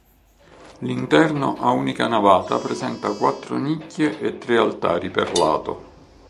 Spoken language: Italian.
L'interno a unica navata presenta quattro nicchie e tre altari per lato.